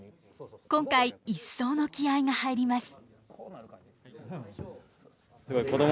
今回一層の気合いが入ります。